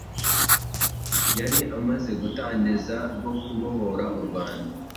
yari amaze gutangiza rwo kubohora u Rwanda.